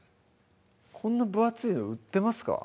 こんな分厚いの売ってますか？